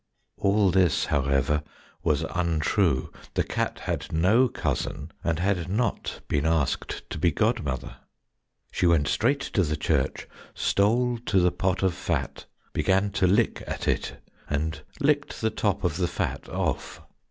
All this, however, was untrue; the cat had no cousin, and had not been asked to be godmother. She went straight to the church, stole to the pot of fat, began to lick at it, and licked the top of the fat off.